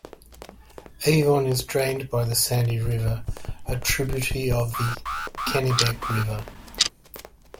Avon is drained by the Sandy River, a tributary of the Kennebec River.